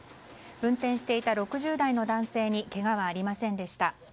運転していた６０代の男性にけがはありませんでした。